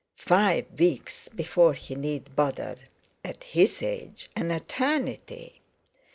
Five weeks before he need bother, at his age an eternity!